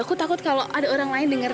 aku takut kalau ada orang lain denger